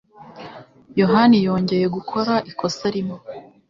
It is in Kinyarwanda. Yohani yongeye gukora ikosa rimwe.